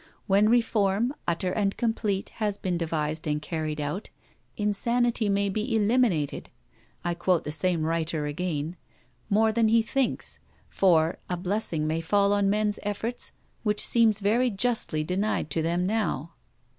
When reform, utter and complete, has been devised and carried out, insanity may be 'eliminated' I quote the same writer again more than he thinks; for a blessing may fall on men's efforts which seems very justly denied to them now.